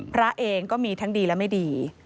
พระเองก็มีทั้งดีและไม่ดี